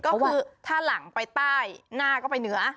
ก็คือถ้าหลังไปใต้หน้าก็ไปเหนือ